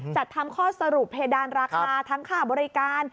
จัดทำข้อสรุปเพดานราคาทั้งค่าบริการ